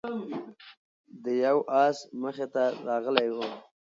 د یو آس مخې ته راغلی و،